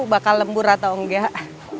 bakal lembur atau enggak